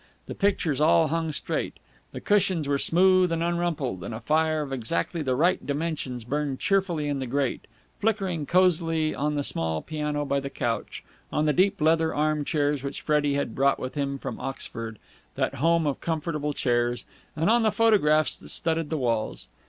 The pictures all hung straight; the cushions were smooth and unrumpled; and a fire of exactly the right dimensions burned cheerfully in the grate, flickering cosily on the small piano by the couch, on the deep leather arm chairs which Freddie had brought with him from Oxford, that home of comfortable chairs, and on the photographs that studded the walls.